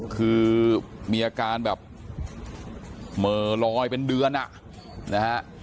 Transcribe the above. คือมีอาการแบบเมลอยเป็นเดือนนะ